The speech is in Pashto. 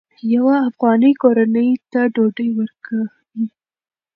یوه افغاني کورنۍ ته ډوډۍ ورکوئ.